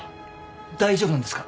大丈夫なんですか？